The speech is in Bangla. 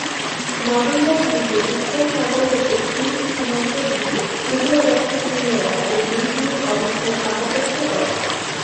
নভেম্বরের দিকে উত্তর সাগর হতে সুইস সীমান্তের দিকে উভয়পক্ষের সৈন্যরা তাদের নিজ নিজ অবস্থান পাকাপোক্ত করে।